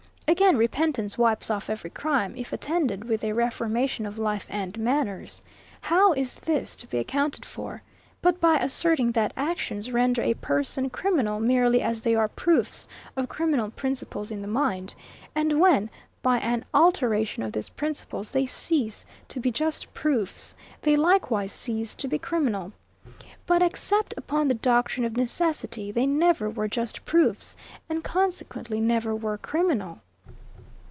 Again, repentance wipes off every crime, if attended with a reformation of life and manners. How is this to be accounted for? but by asserting that actions render a person criminal merely as they are proofs of criminal principles in the mind; and when, by an alteration of these principles, they cease to be just proofs, they likewise cease to be criminal. But, except upon the doctrine of necessity, they never were just proofs, and consequently never were criminal.